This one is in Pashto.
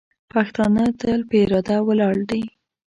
پښتانه تل په اراده ولاړ دي.